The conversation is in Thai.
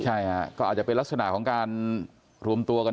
ใช่ค่ะก็อาจจะเป็นลักษณะของการรวมตัวกัน